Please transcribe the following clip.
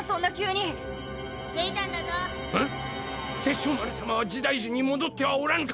殺生丸さまは時代樹に戻ってはおらぬか！？